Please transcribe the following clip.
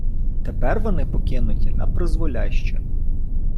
Тепер вони покинуті напризволяще.